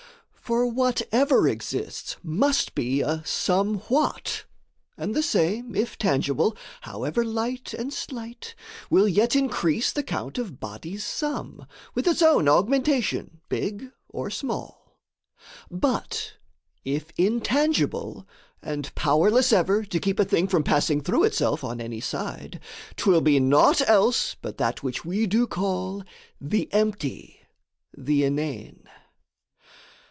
For whatever Exists must be a somewhat; and the same, If tangible, however fight and slight, Will yet increase the count of body's sum, With its own augmentation big or small; But, if intangible and powerless ever To keep a thing from passing through itself On any side, 'twill be naught else but that Which we do call the empty, the inane.